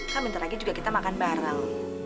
kan bentar lagi juga kita makan bareng